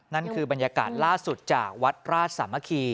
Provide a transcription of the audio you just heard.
นั่นคือบรรยากาศล่าสุดจากวัดราชสามัคคี